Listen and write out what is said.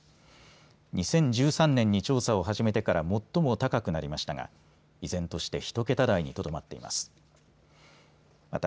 ２０１３年に調査を始めてから最も高くなりましたが依然として１桁台にとどまっています。